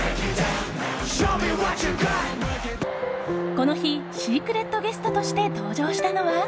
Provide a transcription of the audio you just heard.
この日シークレットゲストとして登場したのは。